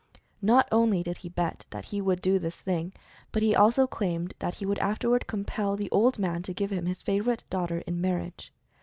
Not only did he bet that he would do this thing, but he also claimed that he would afterward compel the old man to give him his favorite daughter in marriage.